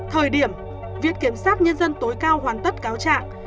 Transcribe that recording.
thời điểm viện kiểm sát nhân dân tối cao hoàn tất cáo trạng